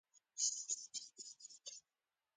ډیره لږه موده کې متحد کړل.